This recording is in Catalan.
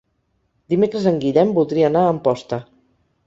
Dimecres en Guillem voldria anar a Amposta.